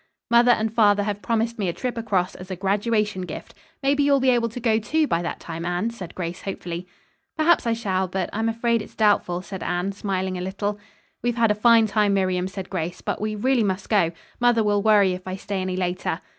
"Mother and father have promised me a trip across as a graduation gift. Maybe you'll be able to go, too, by that time, Anne," said Grace hopefully. "Perhaps I shall, but I'm afraid it's doubtful," said Anne, smiling a little. "We've had a fine time, Miriam," said Grace, "but we really must go. Mother will worry if I stay any later."